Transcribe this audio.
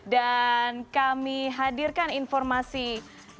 dan kami hadirkan informasi berikutnya